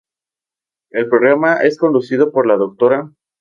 El programa es conducido por la Dra.